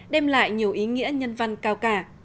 đem lại nhiều ý nghĩa nhân văn cao cả